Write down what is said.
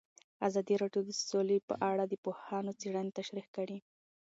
ازادي راډیو د سوله په اړه د پوهانو څېړنې تشریح کړې.